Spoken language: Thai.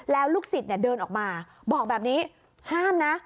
แล้วลูกศิษย์เดินออกมาบอกแบบนี้ห้ามนะ